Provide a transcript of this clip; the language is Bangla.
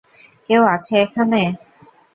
কেউ আছে এখানে?